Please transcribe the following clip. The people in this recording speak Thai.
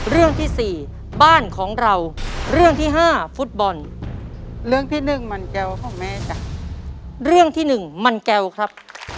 เรื่องที่สี่บ้านของเราเรื่องที่ห้าฟุตบอลเรื่องที่หนึ่งมันแก้วของแม่จ้ะเรื่องที่หนึ่งมันแก้วครับ